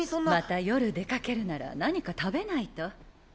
また夜出かけるなら何か食べないと。